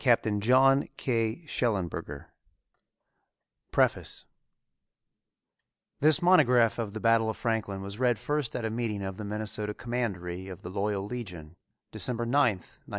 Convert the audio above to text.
CLARK COMPANY CLEVELAND: 1916 PREFACE This monograph on the Battle of Franklin was read first at a meeting of the Minnesota Commandery of the Loyal Legion, December 9, 1902.